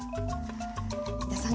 飛田さん